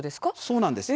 そうなんです。